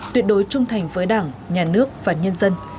tuyệt đối trung thành với đảng nhà nước và nhân dân